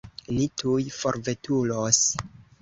Ni tuj forveturos.